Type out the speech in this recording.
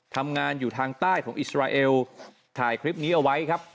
ทำงานอยู่ทางใต้ของอิสราเอลถ่ายคลิปนี้เอาไว้ครับ